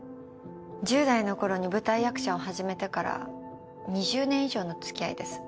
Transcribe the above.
１０代のころに舞台役者を始めてから２０年以上の付き合いです。